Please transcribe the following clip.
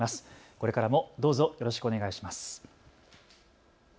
これからもどうぞ、よろしくお願いします。